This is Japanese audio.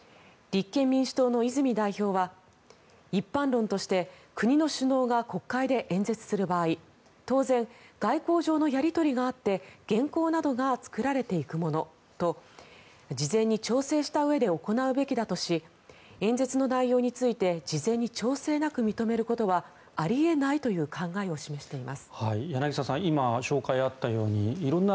立憲民主党の泉代表は一般論として国の首脳が国会で演説する場合当然、外交上のやり取りがあって原稿などが作られていくものと事前に調整したうえで行うべきだとし演説の内容について事前に調整なく認めることはあり得ないという考えを示しています。